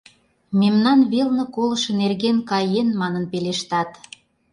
Мемнан велне колышо нерген «каен» манын пелештат.